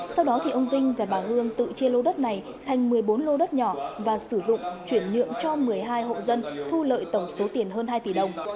sau đó ông vinh và bà hương tự chia lô đất này thành một mươi bốn lô đất nhỏ và sử dụng chuyển nhượng cho một mươi hai hộ dân thu lợi tổng số tiền hơn hai tỷ đồng